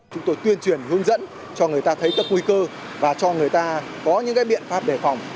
chúng tôi tuyên truyền hướng dẫn cho người ta thấy các nguy cơ và cho người ta có những biện pháp đề phòng